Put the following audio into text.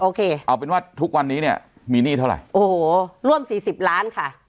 โอเคเอาเป็นว่าทุกวันนี้เนี่ยมีหนี้เท่าไหร่โอ้โหร่วมสี่สิบล้านค่ะ